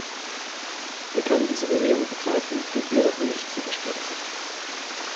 Wir können diese Bewegung begleiten, dürfen jedoch nichts überstürzen.